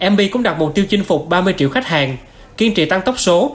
mb cũng đặt mục tiêu chinh phục ba mươi triệu khách hàng kiên trì tăng tốc số